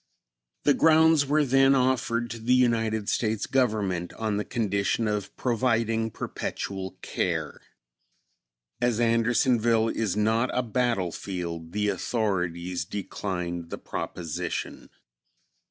The grounds were then offered to the United States Government on the condition of providing perpetual care. As Andersonville is not a battlefield, the authorities declined the proposition.